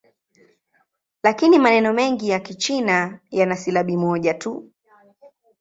Lakini maneno mengi ya Kichina yana silabi moja tu.